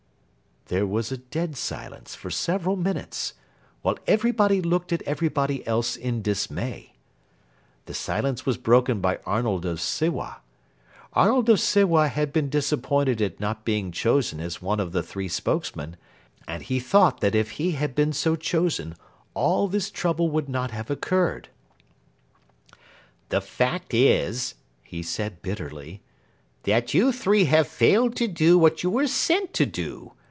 There was a dead silence for several minutes, while everybody looked at everybody else in dismay. The silence was broken by Arnold of Sewa. Arnold of Sewa had been disappointed at not being chosen as one of the three spokesmen, and he thought that if he had been so chosen all this trouble would not have occurred. "The fact is," he said bitterly, "that you three have failed to do what you were sent to do.